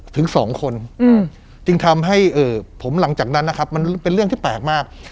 ถึงสองคนจึงทำให้ผมหลังจากนั้นนะครับมันเป็นเรื่องที่แปลกมาก